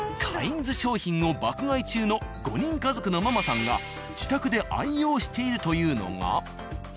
「カインズ」商品を爆買い中の５人家族のママさんが自宅で愛用しているというのが。